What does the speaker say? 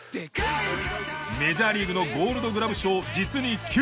メジャーリーグのゴールドグラブ賞実に９回。